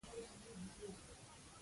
احمد دوی څو لاس سره واچول؟